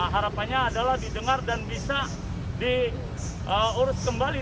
harapannya adalah didengar dan bisa diurus kembali